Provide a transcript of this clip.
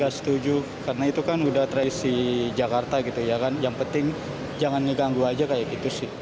ya setuju karena itu kan udah tradisi jakarta gitu ya kan yang penting jangan ngeganggu aja kayak gitu sih